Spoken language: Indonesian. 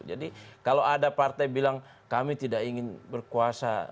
jadi kalau ada partai bilang kami tidak ingin berkuasa